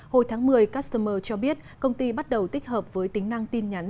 hồi tháng một mươi customer cho biết công ty bắt đầu tích hợp với tính năng tin nhắn